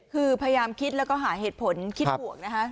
คือพยายามคิดแล้วก็หาเหตุผลคิดบวกนะคะ